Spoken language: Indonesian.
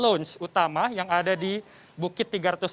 lounge utama yang ada di bukit tiga ratus enam puluh